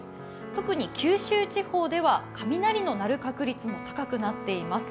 特に九州地方では雷の鳴る確率も高くなっています。